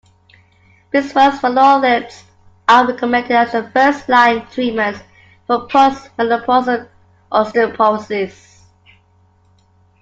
Bisphosphonates are recommended as a first line treatments for post-menopausal osteoporosis.